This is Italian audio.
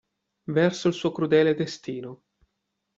Verso il suo crudele destino.